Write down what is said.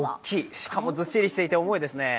しかもずっしりしていて重いですね。